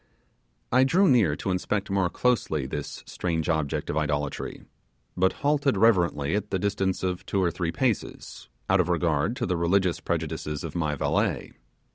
I drew near to inspect more closely this strange object of idolatry, but halted reverently at the distance of two or three paces, out of regard to the religious prejudices of my valet.